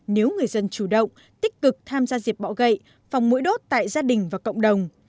nếu người dân chủ động tích cực tham gia diệt bọ gậy phòng mũi đốt tại gia đình và cộng đồng